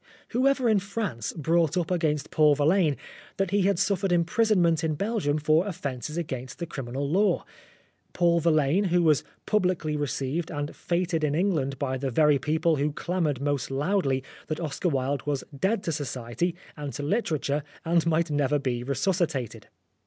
Whoever in France brought up against Paul Verlaine that he had suffered imprisonment in Belgium for offences against the criminal law ? Paul Verlaine, who was publicly received and feted in England by the very people who clamoured most loudly that Oscar Wilde was dead to Society and to literature, and might never be resuscitated